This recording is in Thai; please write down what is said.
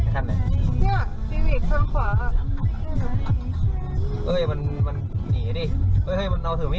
เตรอ้กความบินก่อนจัยเย็นที่